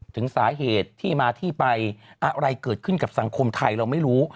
ถึงสาเหตุที่มาที่ไปอะไรเกิดขึ้นกับสังคมไทยเราไม่รู้